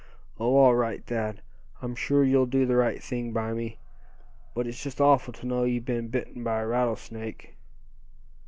"Oh! all right, Thad. I'm sure you'll do the right thing by me; but it's just awful to know you've been bitten by a rattlesnake."